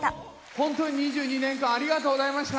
本当に２２年間、ありがとうございました。